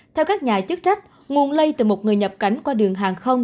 theo các nhà chức trách nguồn lây từ một người nhập cảnh qua đường hàng không